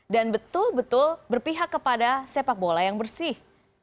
dan betul betul berpihak kepada sepak bola yang bersih